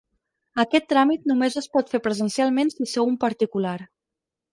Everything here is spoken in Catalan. Aquest tràmit només es pot fer presencialment si sou un particular.